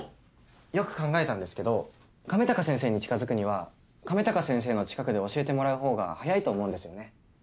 よく考えたんですけど亀高先生に近づくには亀高先生の近くで教えてもらう方が早いと思うんですよね。